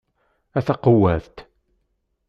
A taqewwadt!